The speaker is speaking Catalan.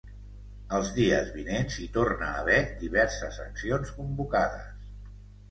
Els dies vinents hi torna a haver diverses accions convocades.